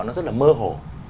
nó rất là mơ hồ